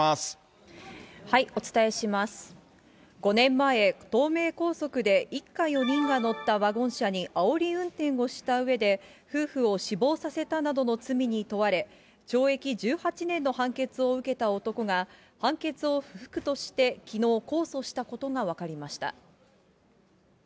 ５年前、東名高速で一家４人が乗ったワゴン車にあおり運転をしたうえで、夫婦を死亡させたなどの罪に問われ、懲役１８年の判決を受けた男が、判決を不服としてきのう、控訴したことが分かりました。